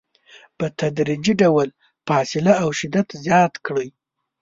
په تدریجي ډول فاصله او شدت زیات کړئ.